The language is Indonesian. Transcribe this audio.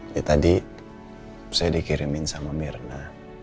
ya tadi saya dikirimin sama mirna